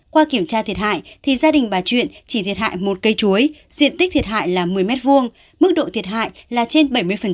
qua kiểm tra thiệt hại thì gia đình bà chuyện chỉ thiệt hại một cây chuối diện tích thiệt hại là một mươi m hai mức độ thiệt hại là trên bảy mươi